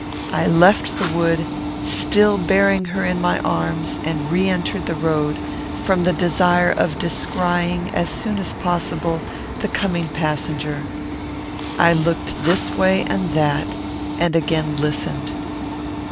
I left the wood, still bearing her in my arms, and re entered the road, from the desire of descrying, as soon as possible, the coming passenger. I looked this way and that, and again listened.